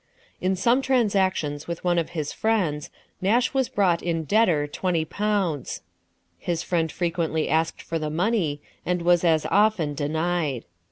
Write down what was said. In some transactions with one of his friends, Nash was brought in debtor twenty pounds. His friend frequently asked for the money, and was as often denied.